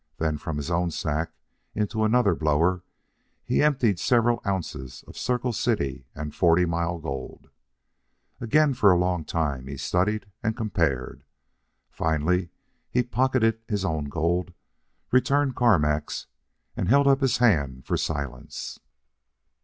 Then, from his own sack, into another blower, he emptied several ounces of Circle City and Forty Mile gold. Again, for a long time, he studied and compared. Finally, he pocketed his own gold, returned Carmack's, and held up his hand for silence.